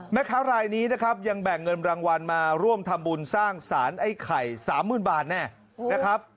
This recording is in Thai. แม่ค้ารายนี้นะครับยังแบ่งเงินรางวัลมาร่วมทำบุญสร้างสารไอ้ไข่๓๐๐๐บาทแน่นะครับ